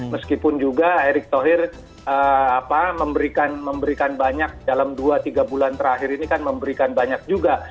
meskipun juga erick thohir memberikan banyak dalam dua tiga bulan terakhir ini kan memberikan banyak juga